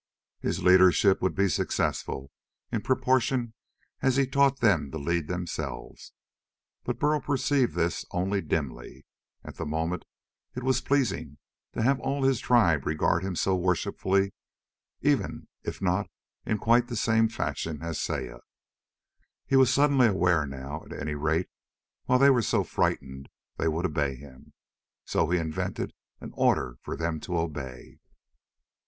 His leadership would be successful in proportion as he taught them to lead themselves. But Burl perceived this only dimly. At the moment it was pleasing to have all his tribe regard him so worshipfully, even if not in quite the same fashion as Saya. He was suddenly aware that now at any rate while they were so frightened they would obey him. So he invented an order for them to obey.